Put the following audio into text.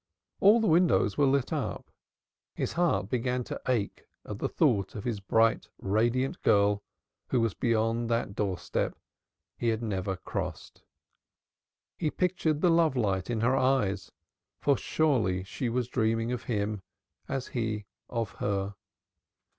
All the windows were lit up. His heart began to ache at the thought that his bright, radiant girl was beyond that doorstep he had never crossed. He pictured the love light in her eyes; for surely she was dreaming of him, as he of her.